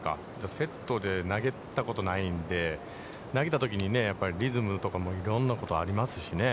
セットで投げたことないので、投げたときに、リズムとかもいろんなことがありますしね。